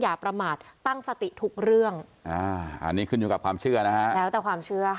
อย่าประมาทตั้งสติทุกเรื่องอันนี้ขึ้นอยู่กับความเชื่อนะคะ